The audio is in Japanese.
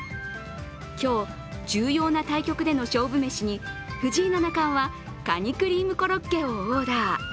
今日、重要な対局での勝負メシに藤井七冠はカニクリームコロッケをオーダー。